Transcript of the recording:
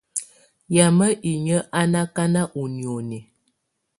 Yamɛ̀á inyǝ́ á nɔ̀ akana ù nioni.